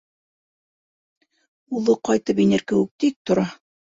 Улы ҡайтып инер кеүек тик тора.